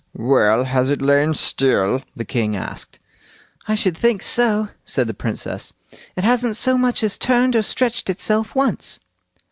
"Well, has it lain still?" the king asked. "I should think so", said the Princess; "it hasn't so much as turned or stretched itself once."